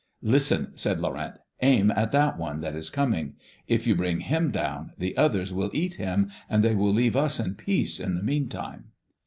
"'Listen,' said Laurent. 'Aim at that one that is coming. If you bring him down, the others will eat him, and they will leave us in peace in the mean time.'